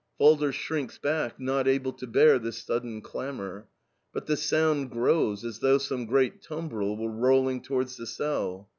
Falder shrinks back, not able to bear this sudden clamor. But the sound grows, as though some great tumbril were rolling towards the cell.